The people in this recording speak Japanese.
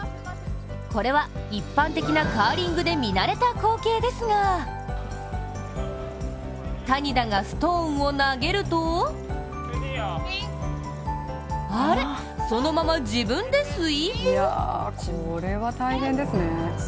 これは一般的なカーリングで見慣れた光景ですが谷田がストーンを投げるとあれっ、そのまま自分でスイープ？